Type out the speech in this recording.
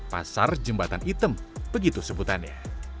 pasar jembatan item begitu sebutannya